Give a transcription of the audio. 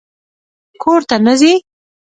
_کور ته نه ځې؟